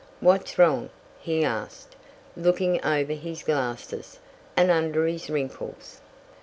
"What's wrong?" he asked, looking over his glasses, and under his wrinkles.